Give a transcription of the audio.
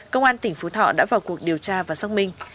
công an tỉnh phú thọ đã vào cuộc điều tra và xác minh